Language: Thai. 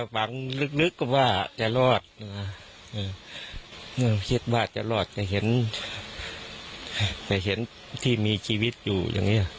ฝังลึกลึกว่าจะรอดเห็นได้เห็นที่มีชีวิตอยู่อย่าง